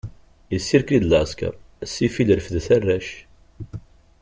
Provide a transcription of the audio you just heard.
Isirkli-d lɛesker, a ssifil refdet arrac.